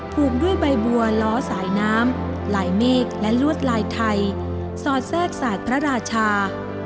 ภูมิด้วยใบบัวล้อสายน้ำลายเมฆและลวดลายไทยสอดแทรกศาสตร์พระราชา